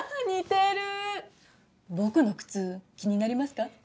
似てる「僕の靴気になりますか？」